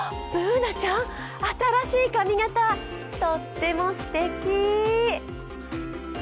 Ｂｏｏｎａちゃん、新しい髪形、とっても素敵！